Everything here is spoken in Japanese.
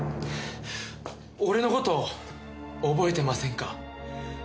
俺の事覚えてませんか？